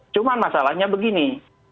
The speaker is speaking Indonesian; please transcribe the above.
cuma masalahnya begini